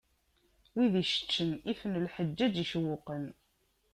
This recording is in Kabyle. Wid icceččen ifen lḥeǧǧaǧ icewwqen.